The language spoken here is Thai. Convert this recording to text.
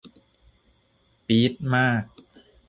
ปี๊ดมาก